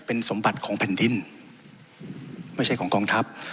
เป็นสมบัติของแผ่นดินไม่ใช่ของกองทัพ